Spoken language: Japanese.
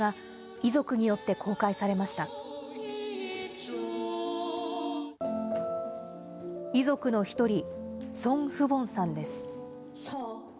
遺族の１人、ソン・フボンさんです。